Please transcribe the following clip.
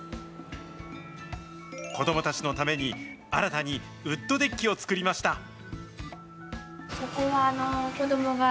子どもたちのために、新たにウッドデッキを作りました。